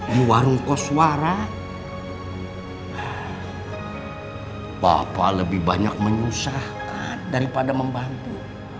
di warung koswara bapak lebih banyak menyusahkan daripada membantu